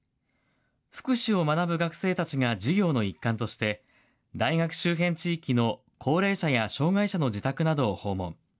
福祉を学ぶ学生たちが授業の一環として、大学周辺地域の高齢者や障害者の自宅などを訪問。